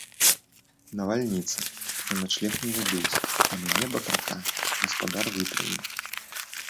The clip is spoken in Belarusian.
Навальніца, на начлег не вядуць, а мяне, батрака, гаспадар выправіў.